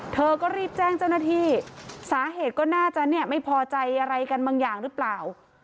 เธอก็รีบแจ้งเจ้าหน้าที่สาเหตุก็น่าจะเนี่ยไม่พอใจอะไรกันบางอย่างหรือเปล่า